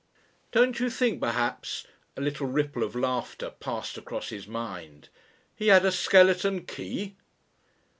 "Don't you think perhaps" a little ripple of laughter passed across his mind "he had a skeleton key?"